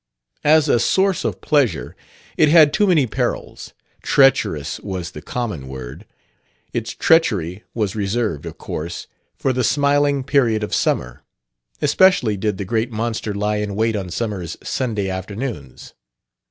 As a source of pleasure it had too many perils: "treacherous" was the common word. Its treachery was reserved, of course, for the smiling period of summer; especially did the great monster lie in wait on summer's Sunday afternoons.